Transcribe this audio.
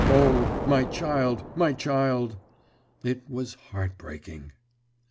O, my child, my child!' It was heartbreaking."